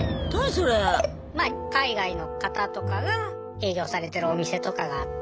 海外の方とかが営業されてるお店とかがあって。